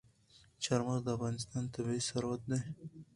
چار مغز د افغانستان طبعي ثروت دی.